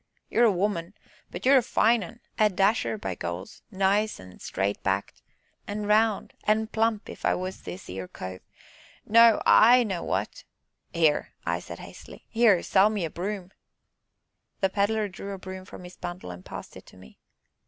You're a woman, but you're a fine un a dasher, by Goles, nice an' straight backed, an' round, an' plump if I was this 'ere cove, now, I know what " "Here," said I hastily, "here sell me a broom!" The Pedler drew a broom from his bundle and passed it to me.